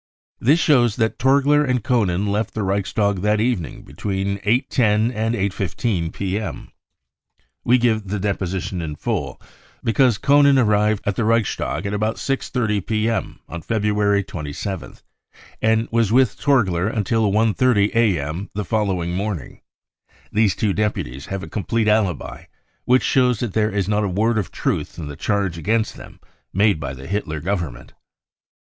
This shows that Torgler and Koenen left the Reichstag that evening between 8.10 and 8.15 p.m. We give the deposition in full, because Koenen arrived at the Reichstag at about 6.30 p.m. on February 27th, and was with Torgler until 1.30 a.m. the following morning. These two deputies have a complete alibi which shows that there is not a word of truth in the charge against them made by the Hitler Government.